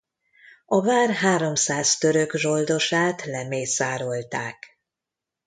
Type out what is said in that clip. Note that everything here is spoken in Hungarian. A vár háromszáz török zsoldosát lemészárolták.